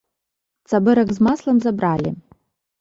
Цабэрак з маслам забралі.